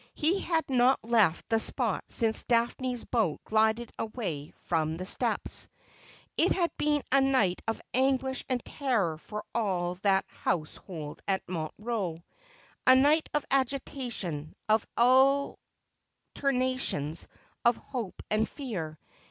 He had not left the spot since Daphne's boat glided away from the steps. It had been a night of anguish and terror for all that house hold at Montreux — a night of agitation, of alternations of hope and fear.